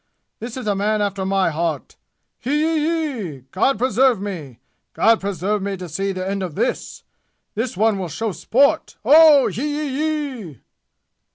This is a man after my heart! Hee yee yee! God preserve me! God preserve me to see the end of this! This one will show sport! Oh yee yee yee!"